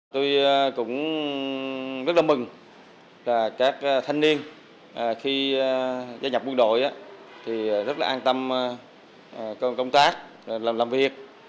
tôi cũng rất là mừng là các thanh niên khi gia nhập quân đội thì rất là an tâm công tác làm việc